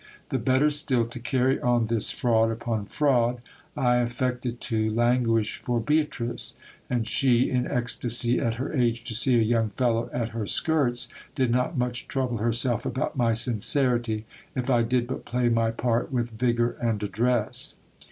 The better still to carry on this fraud upon fraud, I affected to languish for Beatrice ; and she, in ecstacy at her age to see a young fellow at her skirts, did not much trouble herself about my sincerity, if I did but play my part with vigour and address.